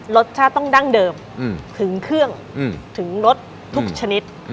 รสชาติต้องดั้งเดิมถึงเครื่องถึงรสทุกชนิด